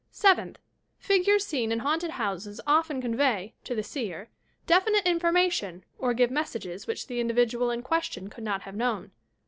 Seventh r figures seen in haunted houses often con vey, to the seer, definite mfonnation or give messages which the individual in question could not have known.